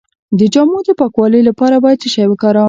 د جامو د پاکوالي لپاره باید څه شی وکاروم؟